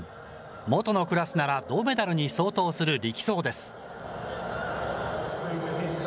元のクラスなら銅メダルに相当する力走です。